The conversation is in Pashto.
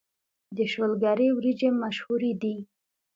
د شولګرې وريجې مشهورې دي